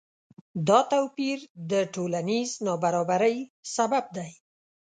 دا توپیر د ټولنیز نابرابری سبب دی.